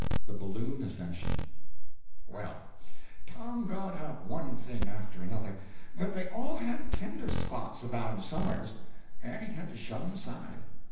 THE BALLOON ASCENSION Well, Tom got up one thing after another, but they all had tender spots about 'em somewheres, and he had to shove 'em aside.